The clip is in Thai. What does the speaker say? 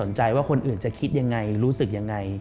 เขาจะไม่สนใจว่าคนอื่นจะคิดยังไงรู้สึกยังไง